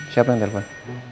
siapa yang telepon